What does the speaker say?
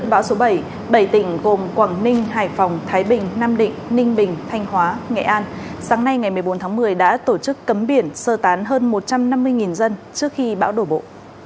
bão số bảy bảy tỉnh gồm quảng ninh hải phòng thái bình nam định ninh bình thanh hóa nghệ an sáng nay ngày một mươi bốn tháng một mươi đã tổ chức cấm biển sơ tán hơn một trăm năm mươi dân trước khi bão đổ bộ